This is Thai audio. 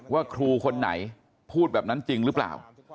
ว่าครูคนไหนพูดแบบนั้นจริงหรือเปล่า